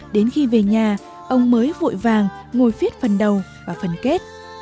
đến khi về nhà ông mới vội vàng ngồi viết phần đầu và phần kết